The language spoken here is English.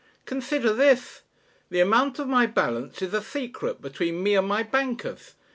Consider this. The amount of my balance is a secret between me and my bankers.